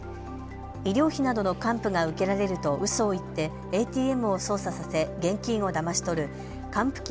医療費などの還付が受けられるとうそを言ってＡＴＭを操作させ現金をだまし取る還付金